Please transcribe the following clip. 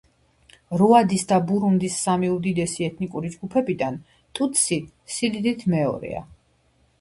რუანდის და ბურუნდის სამი უდიდესი ეთნიკური ჯგუფიდან ტუტსი სიდიდით მეორეა.